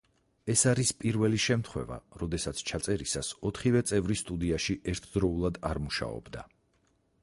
ეს არის პირველი შემთხვევა, როდესაც ჩაწერისას ოთხივე წევრი სტუდიაში ერთდროულად არ მუშაობდა.